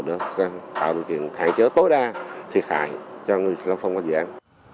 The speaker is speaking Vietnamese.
để tạo điều kiện hạn chế tối đa thiệt hại cho người xe lòng phong qua dự án